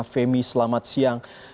femi selamat siang